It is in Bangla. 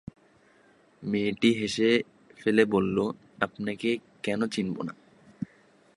মেয়েটি হেসে ফেলে বলল, আপনাকে কেন চিনিব না?